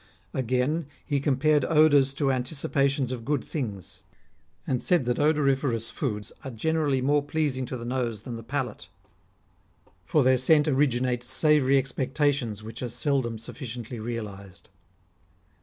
Again, he compared odours to anticipations of good things ; and said that odoriferous foods are generally more pleasing to the nose than the palate, for their scent 122 REMARKABLE SAYINGS OF originates savoury expectations which are seldom suf ficiently realised.